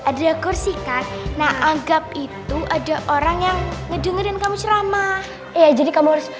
ada kursi kan nah anggap itu ada orang yang ngedengerin kamu ceramah ya jadi kamu harus